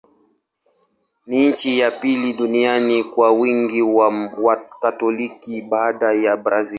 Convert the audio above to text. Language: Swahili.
Ni nchi ya pili duniani kwa wingi wa Wakatoliki, baada ya Brazil.